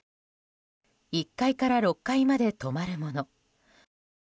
１階から６階まで止まるもの。